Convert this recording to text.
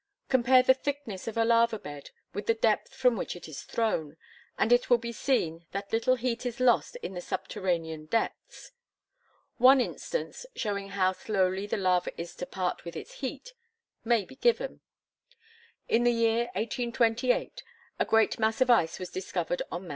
Compare the thickness of a lava bed with the depth from which it is thrown, and it will be seen that little heat is lost in the subterranean depths. One instance, showing how slowly the lava is to part with its heat, may be given: In the year 1828 a great mass of ice was discovered on Mt.